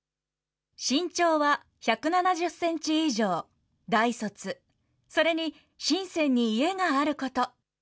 身長は１７０センチ以上、大卒、それに深センに家があること。